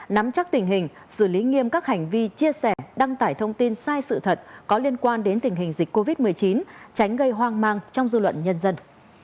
nắm chắc tình hình xử lý nghiêm các hành vi chia sẻ đăng tải thông tin sai sự thật có liên quan đến tình hình dịch covid một mươi chín tránh gây hoang mang trong dư luận nhân dân